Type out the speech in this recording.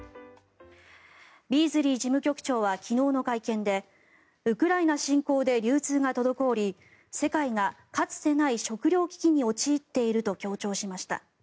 ビーズリー事務局長は昨日の会見でウクライナ侵攻で流通が滞り世界がかつてない食料危機に陥っていると強調しました。